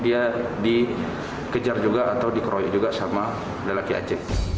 dia dikejar juga atau dikeroyok juga sama laki laki ac